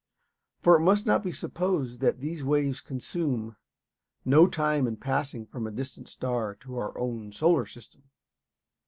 For it must not be supposed that these waves consume no time in passing from a distant star to our own solar system.